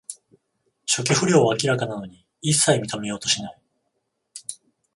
初期不良は明らかなのに、いっさい認めようとしない